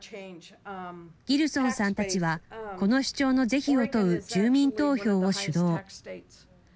ギルソンさんたちはこの主張の是非を問う住民投票を主導。